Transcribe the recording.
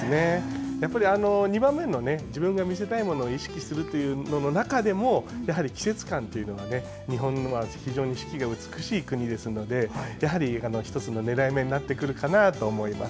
２番目の自分の見せたいものを意識するという中でも季節感というのは日本は非常に四季が美しい国ですのでやはり、１つの狙い目になってくるかなと思います。